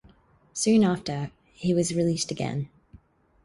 Soon after, he was released again.